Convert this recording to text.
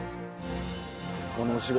この仕事。